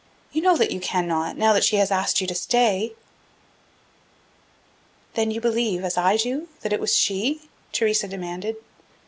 "You know that you cannot, now that she has asked you to stay." "Then you believe, as I do, that it was she?" Theresa demanded.